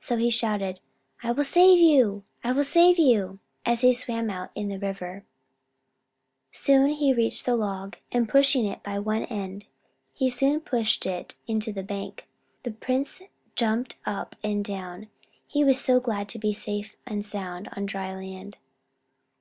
So he shouted: "I will save you! I will save you!" as he swam out in the river. Soon he reached the log, and pushing it by one end, he soon pushed it into the bank. The prince jumped up and down, he was so glad to be safe and sound on dry land.